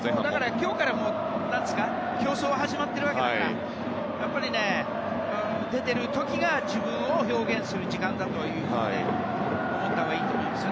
今日から競争は始まっているわけだからやっぱり出ている時が自分を表現する時間だと思ったほうがいいです。